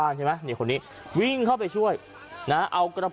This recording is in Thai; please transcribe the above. ใช่ไหมนี่คนนี้วิ่งเข้าไปช่วยนะเอากระป